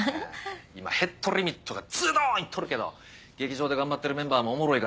今ヘッドリミットがズドンいっとるけど劇場で頑張ってるメンバーもおもろいから。